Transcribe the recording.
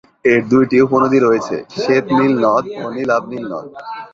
এর দুইটি উপনদী রয়েছে, শ্বেত নীল নদ ও নীলাভ নীল নদ।